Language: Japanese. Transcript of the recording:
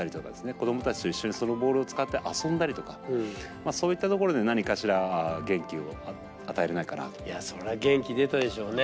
子どもたちと一緒にそのボールを使って遊んだりとかそういったところで何かしらそりゃ元気出たでしょうね。